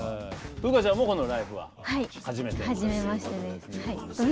風花ちゃんもこの「ＬＩＦＥ！」は初めてということですね。